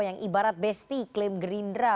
yang ibarat besti klaim gerindra